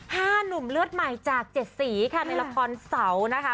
หนุ่มเลือดใหม่จากเจ็ดสีค่ะในละครเสานะคะ